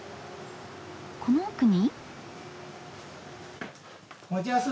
この奥に？